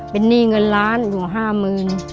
เป็นนี่เงินล้านอุงห้ามืน